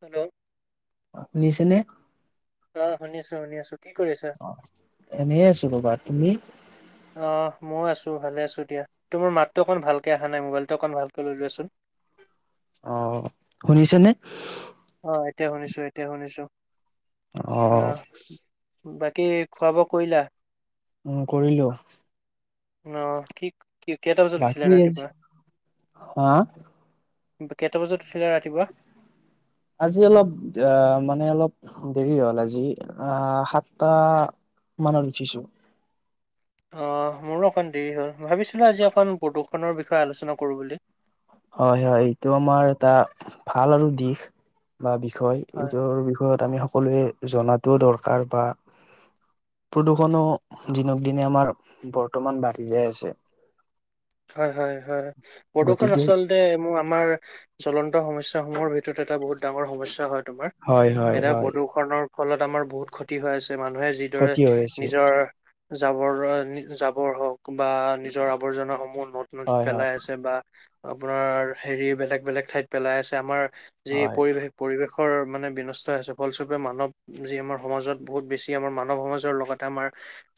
Hello শুনিছেনে? অ, শুনি আছো শুনি আছো। কি কৰিছা অ এনেই আছো ৰবা। তুমি? অ মইয়ো আছো ভালে আছো দিয়া। তোমাৰ মাতটো অকণ ভালকে অহা নাই মোবাইলটো অকণ ভালকে লৈ লোৱাচোন। [unintelligible] অ শুনিছে নে? অ এতিয়া শুনিছো এতিয়া শুনিছো। অহ। আহ বাকী খোৱা-বোৱা কৰিলা? উম কৰিলো। অ কি কি কেইটা বজাত উঠিলা বাকী ৰাতিপুৱা? হা, কেইটা বজাত উঠিলা ৰাতিপুৱা? আজি অলপ আহ মানে অলপ দেৰি হ'ল আজি আহ সাতটা মানত উঠিছো। অহ মোৰো অকণ দেৰি হ'ল, ভাবিছিলো আজি অকণ প্ৰদূ্ষনৰৰ বিষয়ে আলোচনা কৰো বুলি। হয় হয়, এইটো আমাৰ এটা ভাল আৰু দিশ বা বি বিষয় হয় এইটোৰ বিষয়ত আমি সকলোৱে জনাটো দৰকাৰ বা প্ৰদূষণো দিনক দিনে আমাৰ বৰ্তমান বাঢ়ি যাই আছে। হয় হয় হয় প্ৰদূষণ গতিকে আচল তে মোৰ আমাৰ জ্বলন্ত সমস্যাসমূহৰ ভিতৰত এটা বহুত ডাঙৰ সমস্যা হয় তোমাৰ হয়, হয়, এতিয়া হয়, প্ৰদূষণৰ ফলত আমাৰ বহুত ক্ষতি হৈ আছ ছে। মানুহে যিদৰে ক্ষতি হৈ আছে। নিজৰ জাবৰ জাবৰ হওক বা নিজৰ আৱৰ্জনা সমূ হ নদ-নদীত হয়, হয়, পেলাই আছে, বা আপোনাৰ হেৰি বেলেগ বেলেগ ঠাইত পেলাই আছে, আমাৰ যি হয়। পৰিৱেশ পৰিৱেশ ৰ মানে বিনষ্ট আছে ফলস্বৰূপে মানৱ যি আমাৰ সমাজত বহুত বেছি আমাৰ মানৱ সমাজৰ লগতে আমাৰ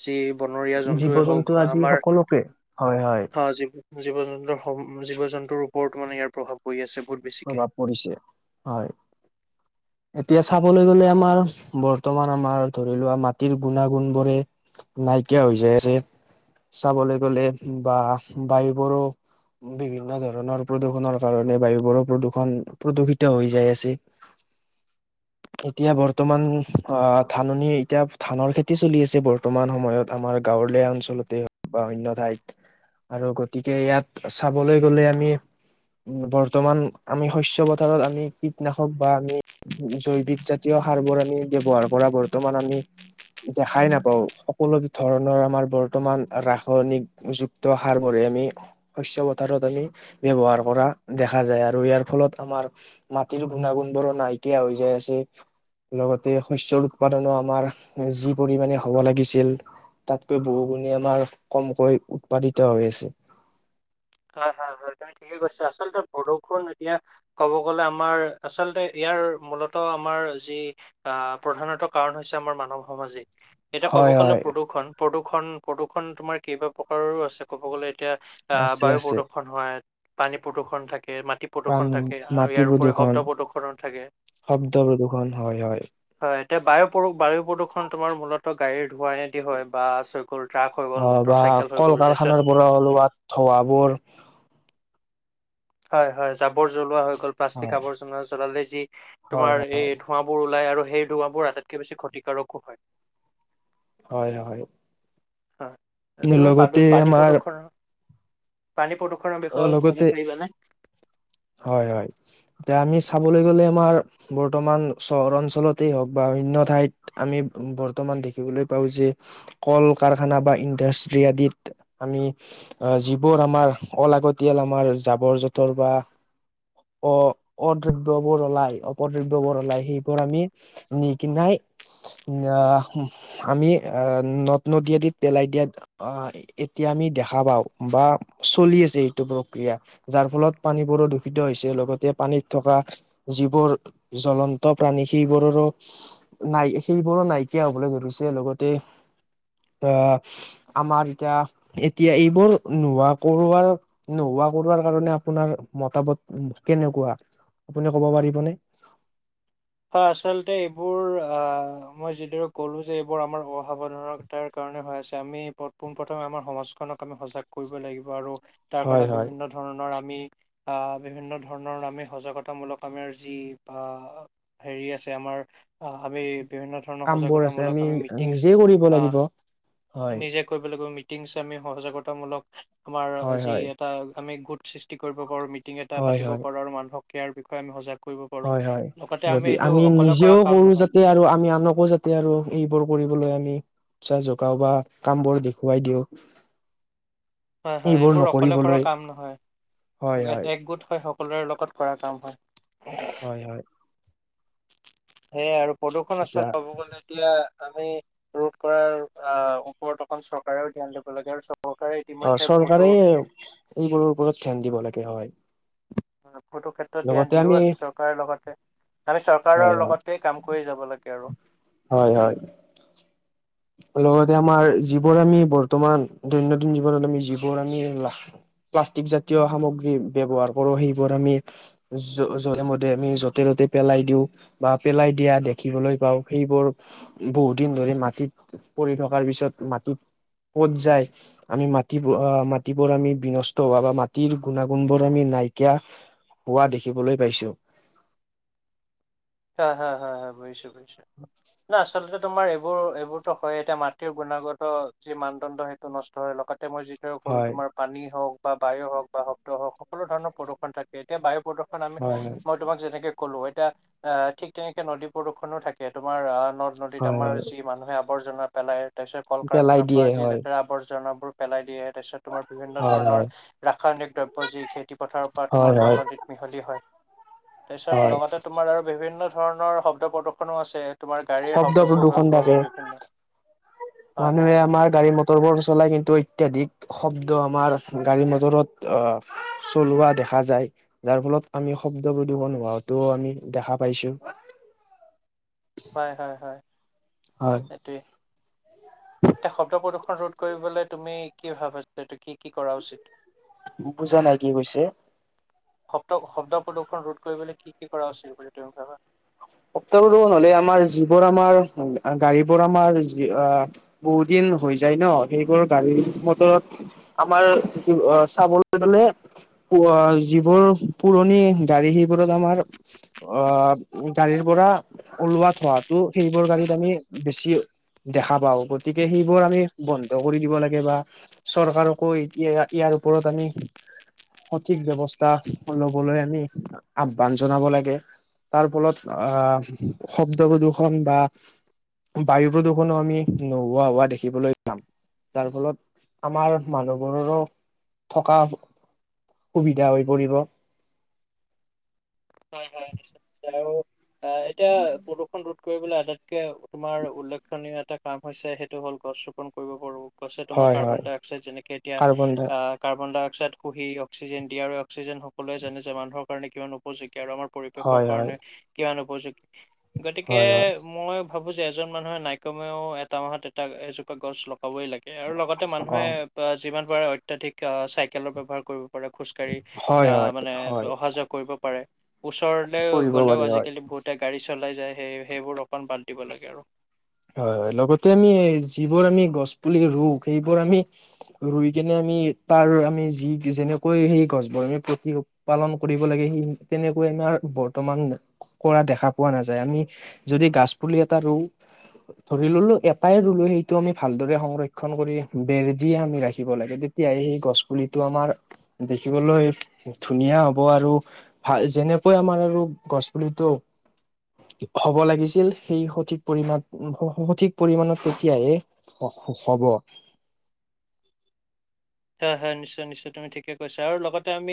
যি বনৰীয়া জীৱ জন্তুৱে হওক জন্তু বা আদি আমাৰ সকলোকে হয় হয় জীৱ জীৱ-জন্তুৰ জীৱ-জন্তুৰ ওপৰত মানে ইয়াৰ প্ৰভাৱ পৰি আছে। বহুত বেছিকে প্ৰভাৱ পৰিছে হয়, এতিয়া চাবলৈ গলে আমাৰ বৰ্তমান আমাৰ ধৰি লোৱা মাটিৰ গুণাগুণ বোৰে নাইকিয়া হৈ যায় আছে। চাবলৈ গ'লে বা বায়ুবোৰো বিভিন্ন ধৰণৰ প্ৰদূষণৰ কাৰণে বায়ুবোৰো প্ৰদূষণ প্ৰদূষিত হৈ যায় আছে। [inaudible] এতিয়া বৰ্তমান অ ধাননি এতিয়া ধানৰ খেতি চলি আছে বৰ্তমান সময়ত আমাৰ গা গাঁৱলীয়া অঞ্চলতে হওক বা অন্য ঠাইত। আৰু গতিকে ইয়াত চাবলৈ গলে আমি উ বৰ্তমান আমি শস্য পথাৰত আমি কীটনাশক বা আমি জৈৱিক জাতীয় সাৰ বোৰ আমি ব্যৱহাৰ কৰা বৰ্তমান আমি দেখাই নাপাও সকলো ধৰণৰ আমাৰ বৰ্তমান ৰাসায়নিক যুক্ত সাৰ বোৰে আমি শস্য পথাৰত আমি ব্যৱহাৰ কৰা দেখা যায় আৰু আৰু ইয়াৰ ফলত আমাৰ মাটিৰ গুৰ্ণাগুণ বোৰো নাইকিয় হৈ যায় আছে। লগতে শস্যৰ উৎপাদনো আমাৰ যি পৰিমামানে হ'ব লাগিছিল। তাতকৈ বহুগুণে আমাৰ কমকৈ উৎপাদিত হৈ আছে [inaudible] হয়, হয়, হয় তুমি ঠিকে কৈছা আচলতে বৰষুন এতিয়া ক'ব গলে আমাৰ আচলতে ইয়াত ইয়াৰ মূলতঃ আমাৰ যি প্ৰধানত কাৰণ হৈছে আমাৰ মানৱ সমাজিক এতিয়া ক'ব হয় গ'লে হয় প্ৰদূৰ্ষণ প্ৰদূৰণ প্ৰদূৰ্ষণ তোমাৰ কেইবা প্ৰকাৰৰো আছে ক'ব গ'লে এ এ আহ আছে বায়ু আছে প্ৰদূষণ হয়। পানী প্ৰদূষণ থাকে মাটি প্ৰাণ প্ৰদূষণ থাকে। আৰু মাটি ইয়াৰ উপৰি প্ৰদূষণ শব্দ প্ৰদূষণত থাকে শব্দ প্ৰদূষণ হয় হয়। হয়, এতিয়া বায়ু প্ৰদূষণ তোমাৰ মূলত গাড়ীৰ ধোঁৱাইেদি হয় বা গ'ল ট্ৰাক হৈ গ'ল অ' মটৰ বা চাইকেল হৈ কল গ'ল তাৰপিছত কাৰখানাৰ পৰা হলো বা ধৱাবোৰ হয়, হয় জাবৰ জ্বলোৱা হৈ গ'ল প্লাষ্টিক হয় আৱৰ জ্বল জ্বলালে যি হয় তোমাৰ এই ধোঁৱাবোৰ ওলাই আৰু সেই ধোঁৱাবোৰ আটাইতকে বেছি ক্ষতিকাৰকো হয়। হয়, হয়। হয় তুমি প লগতে পানী আমাৰ প্ৰদূষণৰ পানী প্ৰদূ্ষণৰ বিষয়ে লগতে কব পাৰিবাানে। হয়, হয় এতিয়া আমি চাবলৈ গ'লে আমাৰ বৰ্তমান চহৰ অঞ্চলতে হওক বা অইণ্য ঠাইত আমি বৰ্তমান দেখিবলৈ পাওঁ যে কল কাৰখনি বা আদিত আমি যিবোৰ আমাৰ অলাগতিয়াল আমাৰ জাবৰ জোঁথৰ বা [inaudible] অ অদ্ৰব্য বৰলাই অপদ্ৰব্য ব়লাই সেইবোৰ আমি নি কিনাই আহ আমি আহ নদ নদী আদিত পেলাই দিয়াত আহ এতিয়া দেখা পাওঁ বা চলি আছে। এইটো প্ৰক্ৰিয়া যাৰ ফলত পানীবোৰ হৈছে লগতে পানীত থকা যিবোৰ জ্বলন্ত প্ৰাণী সেইবোৰৰো নাই সেইবোৰো নাইকিয়া হবলৈ ধৰিছে লগতে- অ' আমাৰ এতিয়া এতিয়া এইবোৰ নোহোৱা কৰোৱাৰ নোহোৱা- [unintelligible] কাৰণে আপোনাৰ মতামত উ কেনেকুৱা আপুনি ক'ব পাৰিবনে। হয় আচলতে এইবোৰ আহ মই যিদৰে ক'লো যে, এইবোৰ আমাৰ অসাৱধানতাৰ কাৰণে -কাৰণ হৈ আছে। আমি পোন প্ৰ্ৰথমে আমাৰ সমাজখনক আমি সজাগ কৰিব লাগিব। আৰু- হয় তাৰপৰা হয় বিভিন্ন ধৰণৰ আ আমি [inaudible] আহ বিভিন্ন ধৰণৰ আমি সজাগতাামূলক আমাৰ যি বা- হেৰি আছে আমাৰ অ' আমি- বিভিন্ন ধৰণৰ কামবোৰ আছে সজাগতামূলক আমি মিটিংছ নিজে কৰিব আহ, লাগিব হয় নিজে কৰিব লাগিব। আমি সহাজগতামূলক আমাৰ হয় যি হয় এটা আমি গোট সৃষ্টি কৰিব পাৰো। মিটিং এটা হয় পাতি হয় পাৰো আৰু মানোহক ক্ৰিয়াৰ বিষয়ে আমি সজাগ কৰিব পাৰো। হয় হয় গতি আমি নিজেও কৰো যাতে আৰু আমি আনকো যাতে আৰু এইবোৰ কৰিবলৈ আমি- চাহ জোকাও বা কামবোৰ দেখুৱাই দিওঁ- হয়-হয় এইবোৰ অকলে কৰা কাম নহয়, হয় হয় একগোট হয়। সকলোৰে লগত কৰা কাম হয়। হয়-হয় সেয়াই আৰু প্ৰদূ্ষণ আচল এতিয়া ক'ব গ'লে এতিয়া- আমি ৰোধ কৰাৰ আহ ওপৰত অকখন চৰকাৰেও ধ্যান দিব লাগে। আৰু চৰকাৰে অ ইতিমধ্যে বহুতো চৰকাৰে এই বোৰৰ ওপৰত ধ্যান দিব লাগে হয়। অ [unintelligible] বহুতো ক্ষেত্ৰত ধ্যান লগতে দিও আমি আছে চৰকাৰৰ লগতে, আমি চৰকাৰৰ লগতে কাম কৰি যাব লাগে। [unintelligible] হয়-হয় লগতে আমাৰ যিবোৰ আমি বৰ্তমান দৈনন্দিন জীৱনত আমি যিবোৰ আমি প্লাষ্টিক জাতীয় সামগ্ৰী ব্যৱহাৰ কৰো সেইবোৰ আমি যধ মধে আমি য'তে- পেলাই দিওঁ বা পেলাই দিয়া দেখিবলৈ পাও সেইবোৰ বহুত দিন ধৰি মাটিত- -পৰি থকাৰ পিছত মাটিত- পত যায় আমি [unintelligible] মাটিবোৰ আমি বিনষ্ট হোৱা বা মাটিৰ গুণাগুণ বোৰ আমি- -নাইকিয়া হোৱা দেখিবলৈ পাইছো। হা- হা- হা বুজিছো বুজিছো ন আচলতে- তোমাৰ এইবোৰ -এইবোৰতো হয় এতিয়া মাটিৰ গুণাগত যি মানদণ্ড সেইটো নষ্ট হৈ লগত- -তে মই যিয়াে ক'লো হয় তোমাৰ পানী হওক, বা বায়ু হওক বা শব্দ হওক সকলো ধৰণৰ প্ৰদূ্ষণ থাকে এতিয়া বায়ু প্ৰদূ্ষণ আমি, হয় হয় মই তোমাক যেনেকে- -কলো এতিয়া ঠিক তেনেকে নদী প্ৰদূষনো থাকে তোমাৰ আহ- নদ নদীত হয় আমাৰ হয় যি মানুহে- আৱৰ্জনা পেলায় তাৰ পিছত কল পেলাই কাৰখানাৰ পৰা দিয়ে যি হয় লেতেৰা আৱৰ্জনাবোৰ পেলাই দিয়ে- তাৰপিছত তোমাৰ বিভিন্ন হয় ধৰণৰ হয় ৰাসায়নিক দ্ৰব্য যি খেতি পথাৰৰ পৰা হয় তোমাৰ হয় নদ‌-নদিত মিহলি হয় [unintelligible] পিছত হয় লগতে তোমাৰ আৰু বিভিন্ন ধৰণৰ শব্দ প্ৰদূষনো আছে তোমাৰ গাড়ীৰ শব্দ শব্দবোৰ হৈ প্ৰদূষণ গ'ল থাকে অলপ বিভিন্ন হয় মানুহে হয় হয় আমাৰ গাড়ী মটৰবোৰ চলাই কিন্তু ইত্যাদি, [unintelligible] ক শব্দ আমাৰ গাড়ী মটৰত চলোৱা দেখা যায়, যাৰ ফলত আমি শব্দ প্ৰদূষণ হোৱাাতো আমি দেখা পাইছো। [inaudible] হয়- হয় হয়। সেইটোৱে এতিয়া শব্দ প্ৰদূৰ্ষন ৰোধ কৰিবলৈ তুমি কি ভাবা যে এইতো কি-কি কৰা উচিত। বুজা নাই কি কৈছে? শব্দ শব্দ প্ৰদূষণ ৰোধ কৰিবলৈ কি কি কৰা উচিত বুলি‌ তুমি ভাৱা- [unintelligible] হলে আমাৰ যিবোৰ আমাৰ গাড়ী বোৰ আমাৰ যি বহুত দিন হৈ যায় ন সেইবোৰ গাড়ী মটৰত আমাৰ কি চাবলৈ গলে? যিবোৰ পুৰণি গাড়ী সেইবোৰত আমাৰ অ গাড়ীৰ পৰা ওলোৱা থোৱাটো সেইবোৰ গাড়ীত আমি বেছি দেখা পাও গতিকে সেইবোৰ আমি বন্ধ কৰি দিব লাগে বা চৰকাৰকো এতিয়া ইয়াত ওপৰত আমি সঠিক ব্যৱস্থা লবলৈ আমি আহ্বান জনাব লাগে তাৰ ফলত আহ শব্দ প্ৰদূ্ষন বা বায়ু প্ৰদূৰণো আমি নোহোৱা হোৱা দেখিবলৈ পাম যাৰ ফলত আমাৰ মানুহবোৰৰো থকা সুবিধা হৈ পৰিব হয় অ এতিয়া প্ৰদূষণ ৰোধ কৰিবলৈ আটাইতকে তোমাৰ উল্লেখনীয় এটা কাম হৈছে সেইটো হ'ল গছ ৰোপন কৰিব পাৰোঁ কৈছে তোমাৰ হয় কাৰ্বন হয় ডাই অক্সাইড যেনেকে এতিয়া কাৰ্বন ডাই আহ কাৰ্বন ডাই অক্সাই অক্সিজেনিয় আৰু অক্সিজেন সোৱ জান যে মানুহৰ কাৰণে কি উপযোগী আৰু আমাৰ পৰিৱেশৰ হয় হয় কাৰণে কিমান উপযোগী গতিকে হয় হয় মই ভাবো যে এজন মানুহে নাইকমেও এটা মাহত এটা এজোপা গছ লগাব হ'বই লাগে আৰু লগতে অ মানুহে যিমান পাৰে অত্যাধিক চাইকেলৰ ব্যৱহাৰ কৰিব খোজকাঢ়ি হয় আহ হয় মানে হয় অহা যোৱা কৰিব পাৰে ওচৰলৈ কৰিব গ'লেও পাৰে হয় আজিকালি বহুতে গাড়ী চলাই যায় সেই সেইবোৰ অকণমান বাদ দিব লাগে আৰু হয় হয় লগতে আমি যিবোৰ আমি গছ পুলি ৰুওঁ সেইবোৰ আমি ৰুই কিনে আমি আমি তাৰ আমি যি যেনেকৈ সেই গছ বি প্ৰতি পালন কৰিব লাগে সেই তেনেকৈ বৰ্তমান কৰা দেখা পোৱা নাযায় আমি যদি গছ পুলি এটা ৰুওঁ ধৰি ললো এটাই ৰুলো সেইটো আমি ভালদৰে সংৰক্ষন কৰি বেৰ দিয়ে আমি ৰাখিব লাগে তেতিয়া সেই গছ পুলিটো আমাৰ দেখিবলৈ ধুনীয়া হব আৰু ভাল যেনে আমাৰ আৰু গছ পুলিটো হ'ব লাগিছিল সেই সঠিক পৰিমাণ সঠিক পৰিমাণত তেতিয়াহে হব হয় হয় হয় নিশ্চয় নিশ্চয় তুমি ঠিকে কৈছা আৰু লগতে আমি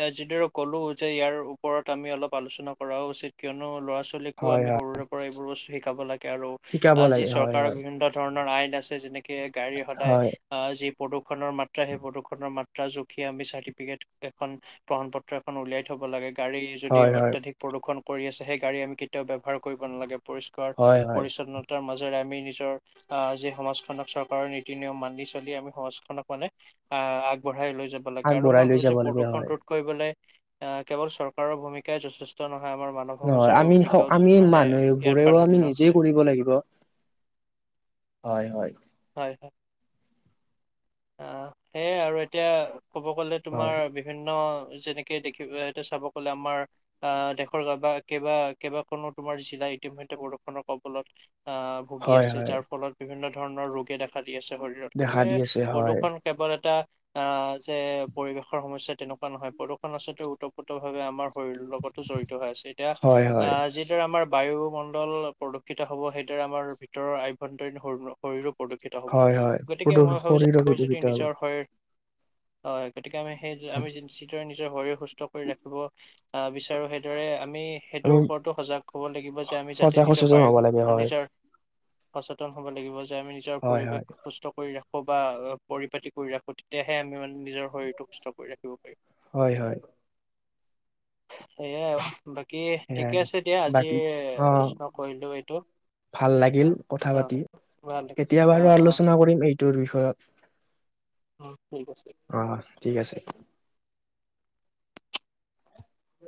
এ যিদৰে কলো যে ইয়াৰ ওপৰত আমি অলপ আলোচনা কৰাও উচিত কিয়নো ল'ৰা ল'ৰা ছোৱালী কো হয় আমি হয় সৰুৰে পৰা এইবোৰ বস্তু শিকাব লাগে আৰু শিকাব যি লাগে হয় চৰকাৰৰ হয় বিভিন্ন ধৰণৰ আইন যেনেকে গাড়ী সদায় হয় আহ যি প্ৰদূ্ষণৰ মাত্ৰা সেই প্ৰদূৰণৰ মাত্ৰা জখিয় আমি চাৰ্টিফিকেট এখনন পত্ৰ এখন উলিয়াই থব লাগে গাড়ী যদি হয় হয় অত্যাধিক প্ৰদূষণ কৰি আছে সেই গাড়ী আমি কেতিয়াও ব্যৱহাৰ কৰিব নালাগে পৰিষ্কাৰ হয় হয় পৰিচ্ছন্নতাৰ মাজেৰে আমি নিজৰ অ যি সমাজখনক চৰকাৰৰ নীতি নিয়ম মানি চলি আমি সমাজখনক মানে আহ আগবঢ়াই লৈ যাব লাগে আৰু আগবঢ়াই মই লৈ ভাবিছো যাব লাগে প্ৰদূষণ হয় ৰোধ কৰিবলৈ আহ কেৱল চৰকাৰৰ ভূমিকাই যথেষ্ট নহয় আমাৰ মানৱ নহয় সমাজৰ আমি ভূমিকাও আমি মানে ইয়াত মানুহবোৰেও প্ৰাধান্য আমি আছে নিজেই কৰিব লাগিব হয় হয় হয় হয় অ সেয়াই আৰু এতিয়া ক'ব গ'লে হয় তোমাৰ বিভিন্ন যেনেকে দেখিব এ চাব গলে আমাৰ আহ দেশৰ কেইবা কেইবাখননো তোমাৰ জিলাই ইতিমধ্যে বৰষুণৰ কবলত আহ ভুগি হয় আছে হয় যাৰ ফলত বিভিন্ন ধৰণৰ ৰোগে দেখা আছে শৰীৰত দেখা গতিকে দি আছে হয় প্ৰদূষণ কেৱল এটা আহ যে পৰিৱেশৰ সমস্যা তেনেকুৱা নহয় প্ৰদূষণ আছেলতে ওতঃপ্ৰোতভাৱে আমাৰ শৰীৰৰ লগতো জড়িত আছে এতিয়া হয় হয় আহ যিদৰে আমাৰ বায়ু মণ্ডল প্ৰদক্ষিত হব সেইৰে আমাৰ ভিতৰ আয়ম্ফতোৰিন শৰীৰটোৰ হব হয় হয় গতিকে প্ৰদূ মই ভাবো যে শৰীৰৰ যদি প্ৰদূষিত হব নিজৰ শৰীৰৰ হয় গতিকে আমি সেই আমি শৰীৰৰ সুস্থ কৰি ৰাখিব বিচাৰো সেই দৰে আমি আমি সেইটোৰ ওপৰতো সজাগ হব লাগিব যে আমি যাতে সজাগ নিজৰ সচেতন হব লাগে বায়ু হয় নিজৰ সচেতন হব লাগিব যে আমি নিজৰ হয় পৰিৱেশ হয় সুস্থ কৰি ৰাখো ো বা পৰিপাতি কৰি ৰাখো তেতিয়াহে আমি মানে নিজৰ শৰীৰটো সুস্থ কৰি ৰাখিব পাৰি হয় হয় সয়া বাকী কি সেয়াই ঠিকে আছে দিয়া আজি বাকী অ আলোচনা কৰিলো এইটো ভাল লাগিল কথা অ পাতি ভাল এতিয়া লাগিল। অ বাৰু অ আলোচনা কৰিম এইটোৰ বিষয়ত অ ঠিক আছে অ ঠিক আছে